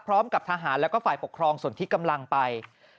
พร้อมกับทหารแล้วก็ฝ่ายปกครองส่วนที่กำลังไป